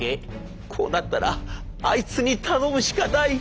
「こうなったらあいつに頼むしかない」。